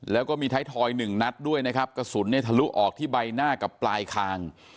แล้วก็มีท้ายทอยหนึ่งนัดด้วยนะครับกระสุนเนี่ยทะลุออกที่ใบหน้ากับปลายคาง